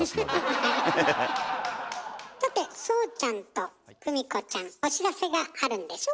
さて壮ちゃんと久美子ちゃんお知らせがあるんでしょ？